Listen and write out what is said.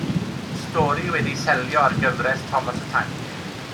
Stori wedi'i seilio ar gyfres Tomos y Tanc.